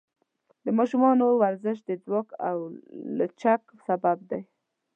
د ماشومانو ورزش د ځواک او لچک سبب دی.